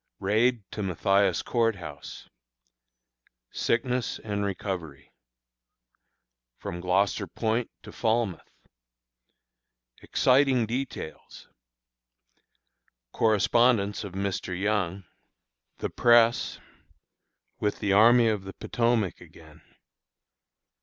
Raid to Mathias Court House. Sickness and Recovery. From Gloucester Point to Falmouth. Exciting Details. Correspondence of Mr. Young. The Press. With the Army of the Potomac again.